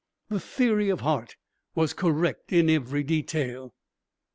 The theory of Hart's was correct in every detail.